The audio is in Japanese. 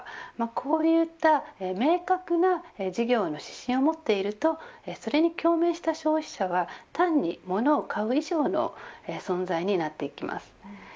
こういった明確な事業の指針を持っているとそれに共鳴した消費者は単にものを買う以上の存在になっていきます。